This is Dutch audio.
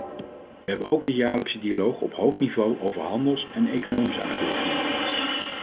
We hebben ook de jaarlijkse dialoog op hoog niveau over handels- en economische aangelegenheden.